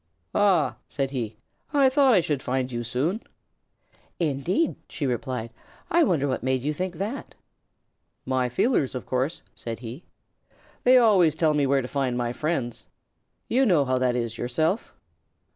"Ah!" said he. "I thought I should find you soon." "Indeed?" she replied. "I wonder what made you think that?" "My feelers, of course," said he. "They always tell me where to find my friends. You know how that is yourself."